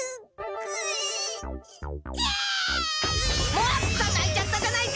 もっとないちゃったじゃないか！